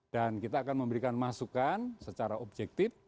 dan kita akan memberikan masukan secara objektif